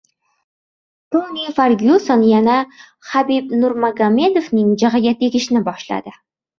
Toni Fergyuson yana Xabib Nurmagomedovning jig‘iga tegishni boshladi.